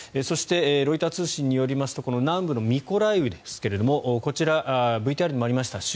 そしてロイター通信によりますと南部のミコライウですがこちら、ＶＴＲにもありました